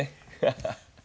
ハハハハ。